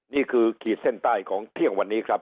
ขีดเส้นใต้ของเที่ยงวันนี้ครับ